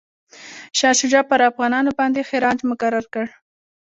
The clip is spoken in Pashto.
شاه شجاع پر افغانانو باندي خراج مقرر کړ.